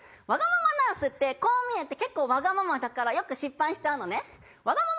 わがままナースってこう見えて結構わがままだからよく失敗しちゃうのね。